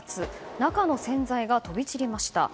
中の洗剤が飛び散りました。